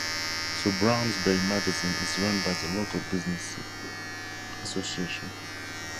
The Browns Bay Magazine is run by the local business association.